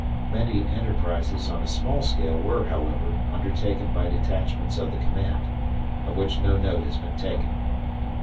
Many enterprises on a small scale were, however, undertaken by detachments of the command, of which no note has been taken.